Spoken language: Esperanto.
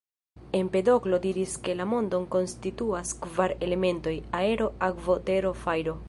Empedoklo diris ke la mondon konstituas kvar elementoj: aero, akvo, tero, fajro.